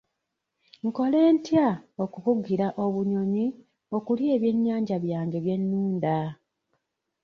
Nkole ntya okukugira obunyonyi okulya ebyennyanja byange bye nnunda?